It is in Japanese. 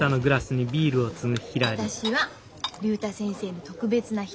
私は竜太先生の特別な人。